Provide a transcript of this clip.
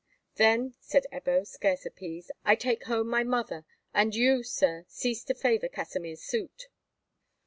"Then," said Ebbo, scarce appeased, "I take home my mother, and you, sir, cease to favour Kasimir's suit."